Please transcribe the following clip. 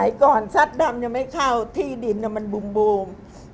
สมัยก่อนสัตว์ดำยังไม่เข้าที่ดินมันบูม